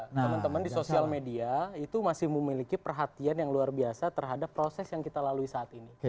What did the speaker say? teman teman di sosial media itu masih memiliki perhatian yang luar biasa terhadap proses yang kita lalui saat ini